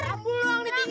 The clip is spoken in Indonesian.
apul uang di tinggi